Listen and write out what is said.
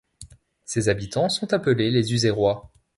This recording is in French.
Ses habitants sont appelés les Uzérois.